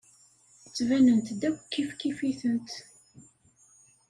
Ttbanent-d akk kifkif-itent.